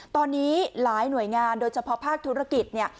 ตอนนี้หลายหน่วยงานโดยเฉพาะภาคธุรกิจเนี่ย